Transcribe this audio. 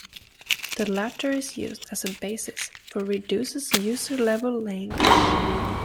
The latter is used as a basis for Reduce's user-level language.